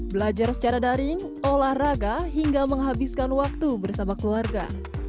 belajar secara daring olahraga hingga menghabiskan waktu bersama keluarga